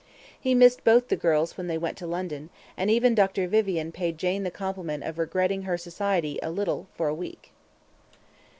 He missed both the girls when they went to London, and even Dr. Vivian paid Jane the compliment of regretting her society a little for a week.